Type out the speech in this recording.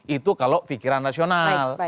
itu kalau pikiran rasional